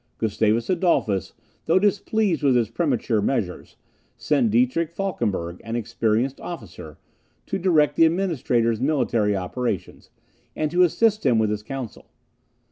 Gustavus Adolphus, though displeased with his premature measures, sent Dietrich Falkenberg, an experienced officer, to direct the Administrator's military operations, and to assist him with his counsel.